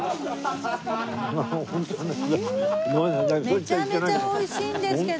めちゃめちゃ美味しいんですけど。